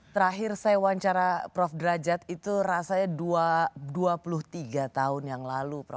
terakhir saya wawancara prof derajat itu rasanya dua puluh tiga tahun yang lalu prof